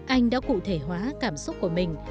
anh đã cụ thể hóa cảm xúc của mình